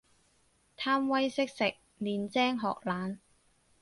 貪威識食，練精學懶